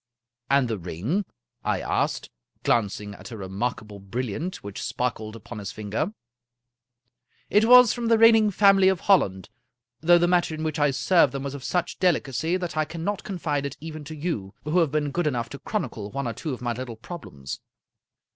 " And the ring? " I asked, glancing at a remarkable bril liant which sparkled upon his finger. " It was from the reigning family of Holland, though the matter in which I served them was of such delicacy that I cannot confide it even to you, who have been good enough to chronicle one or two of tny little problems."